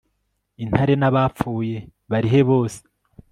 Intare nabapfuye bari he bose